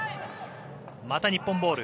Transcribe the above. また日本ボール。